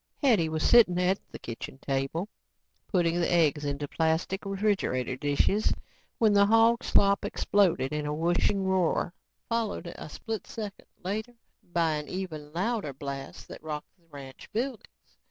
Hetty was sitting at the kitchen table, putting the eggs into plastic refrigerator dishes when the hog slop exploded in a whooshing roar, followed a split second later by an even louder blast that rocked the ranch buildings.